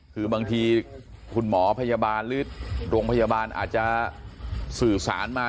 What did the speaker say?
คือบางทีคุณหมอพยาบาลหรือโรงพยาบาลอาจจะสื่อสารมา